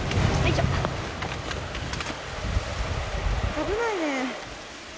危ないね。